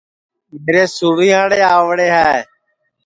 میرے سُِرئینٚئاڑے آؤڑے ہے